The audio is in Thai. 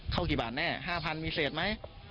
เข้ากี่บาทแน่๕๐๐๐บาทมีเศษไหม